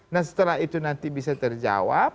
nah setelah itu nanti bisa terjawab